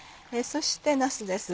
そしてなすです。